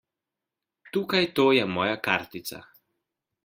Tukaj to je moja kartica.